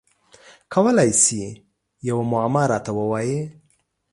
کولای شی یوه معما راته ووایی؟